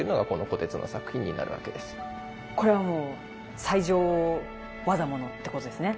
これはもう最上業物ってことですね。